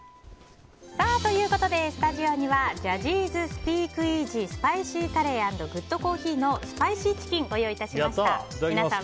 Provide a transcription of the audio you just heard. スタジオにはジャジーズスピークイージースパイシーカレー＆グッドコーヒーのスパイシーチキンをご用意いたしました。